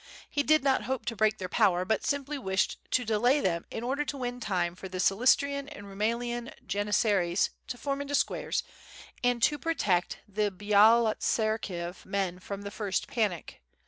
He did not hope to break their power but simply wished to de lay them in order to win time for the Silistrian and Ruraelian Janissaries to form into squares and to protect the Byalot serkiev men from the first panic.